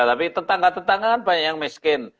tapi tetangga tetangga kan banyak yang miskin